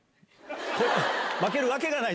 負けるわけがない？